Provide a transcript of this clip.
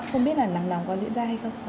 không biết là nắng nóng có diễn ra hay không